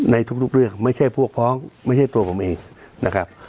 ในทุกเรื่องไม่ใช่พวกพ้องไม่ใช่ตัวผมเองนะครับ